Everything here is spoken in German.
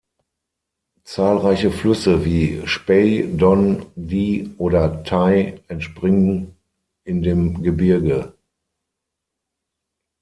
Zahlreiche Flüsse wie Spey, Don, Dee oder Tay, entspringen in dem Gebirge.